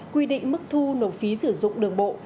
quy định mức thu nộp phí sử dụng đường bộ